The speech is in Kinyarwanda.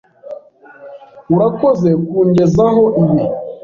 Urakoze kungezaho ibi.